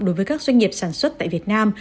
đối với các doanh nghiệp sản xuất tại việt nam